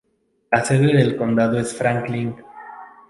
La sede del condado es Franklin.